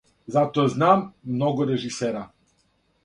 Зато знам много режисера.